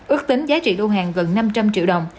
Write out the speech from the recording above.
ước tính giá trị lô hàng gần năm trăm linh triệu đồng